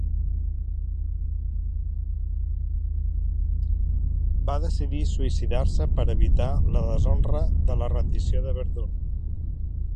Va decidir suïcidar-se per evitar la deshonra de la rendició de Verdun.